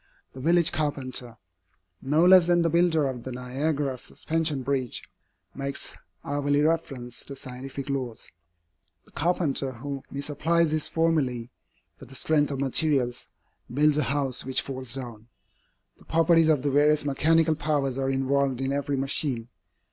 The village carpenter, no less than the builder of the Niagara Suspension Bridge, makes hourly reference to scientific laws. The carpenter who misapplies his formulæ for the strength of materials, builds a house which falls down. The properties of the various mechanical powers are involved in every machine.